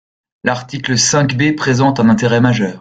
L’article cinq B présente un intérêt majeur.